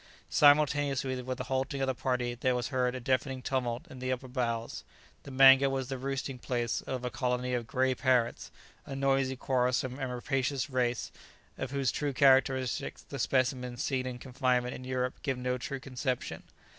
Simultaneously with the halting of the party there was heard a deafening tumult in the upper boughs. The mango was the roosting place of a colony of grey parrots, a noisy, quarrelsome, and rapacious race, of whose true characteristics the specimens seen in confinement in Europe give no true conception.